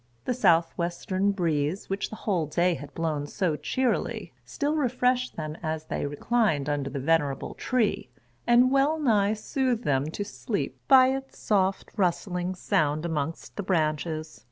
The south western breeze, which the whole day had blown so cheerily, still refreshed them as they reclined under the venerable tree, and well nigh soothed them to sleep by its soft, rustling sound amongst the branches.